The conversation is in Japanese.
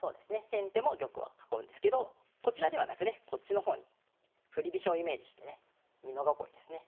先手も玉は囲うんですけどこちらではなくねこっちの方に振り飛車をイメージしてね美濃囲いですね。